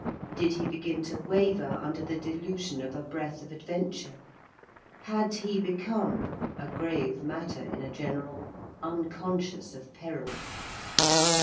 Did he begin to waver under the delusion of a breath of adventure? Had he become—a grave matter in a general—unconscious of peril?